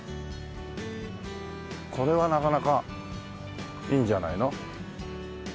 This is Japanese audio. これはなかなかいいんじゃないの？